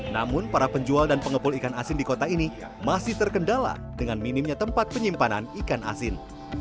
namun para penjual dan pengepul ikan asin di kota ini masih terkendala dengan minimnya tempat penyimpanan ikan asin